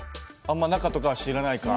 あんま中とかは知らないか。